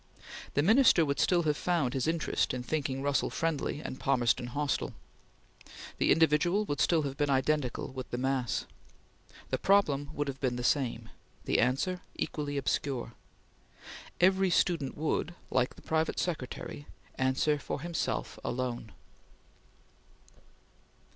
The Minister would still have found his interest in thinking Russell friendly and Palmerston hostile. The individual would still have been identical with the mass. The problem would have been the same; the answer equally obscure. Every student would, like the private secretary, answer for himself alone.